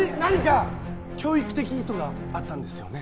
教育的意図があったんですよね？